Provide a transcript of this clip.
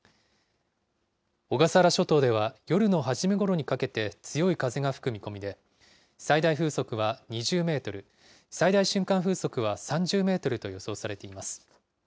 小笠原諸島では夜の初めごろにかけて強い風が吹く見込みで、最大風速は２０メートル、最大瞬間風速は３０メートルと予想されています。